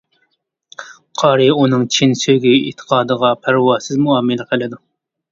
قارى ئۇنىڭ چىن سۆيگۈ ئېتىقادىغا پەرۋاسىز مۇئامىلە قىلىدۇ.